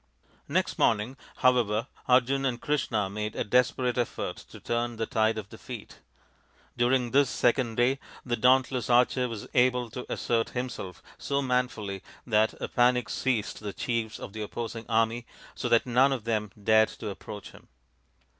Next morning, however, Arjun and Krishna made a desperate effort to turn the tide of defeat. During this second day the dauntless archer was able to assert himself so manfully that a panic seized the chiefs of the opposing army, so that none of them dared to approach him.